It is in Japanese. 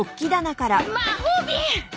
魔法瓶！